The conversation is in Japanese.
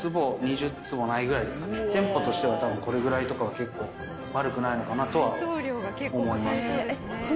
店舗としては多分これぐらいとかは結構悪くないのかなとは思います。